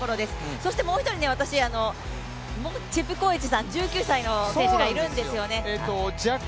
そしてもう一人、チェプコエチさん１９歳の選手がいるんですよね。